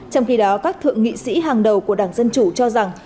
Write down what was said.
trong khi đó các thượng nghị sĩ hàng đầu của đảng dân chủ cho rằng